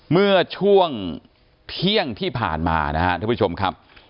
เมื่อช่วงเที่ยงที่ผ่านมานะครับท่านผู้ชมครับ